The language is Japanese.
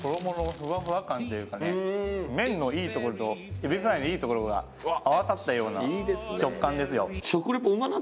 麺のいいところとエビフライのいいところが合わさったような食感ですよ。